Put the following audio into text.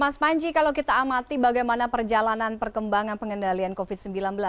mas manji kalau kita amati bagaimana perjalanan perkembangan pengendalian covid sembilan belas yang ada di indonesia